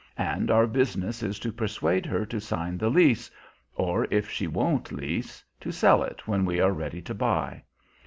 And our business is to persuade her to sign the lease, or, if she won't lease, to sell it when we are ready to buy.